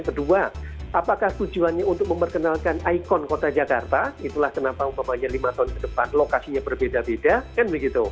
kedua apakah tujuannya untuk memperkenalkan ikon kota jakarta itulah kenapa umpamanya lima tahun ke depan lokasinya berbeda beda kan begitu